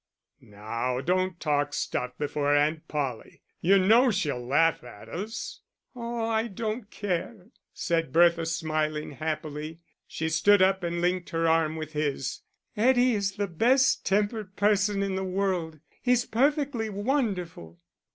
"Now don't talk stuff before Aunt Polly. You know she'll laugh at us." "Oh, I don't care," said Bertha, smiling happily. She stood up and linked her arm with his. "Eddie's the best tempered person in the world he's perfectly wonderful."